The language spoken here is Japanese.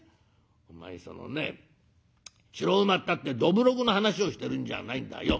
「お前そのね白馬ったってどぶろくの話をしてるんじゃないんだよ。